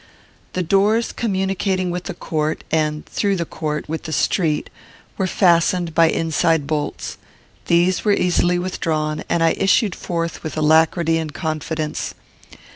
The doors communicating with the court, and, through the court, with the street, were fastened by inside bolts. These were easily withdrawn, and I issued forth with alacrity and confidence.